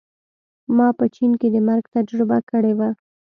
ما په چین کې د مرګ تجربه کړې وه